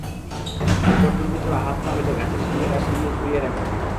এরপর দুর্বৃত্তরা হাত-পা বেঁধে গাছের সঙ্গে রশি দিয়ে লাশ ঝুলিয়ে রাখে।